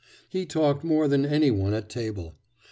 He talked more than any one at table.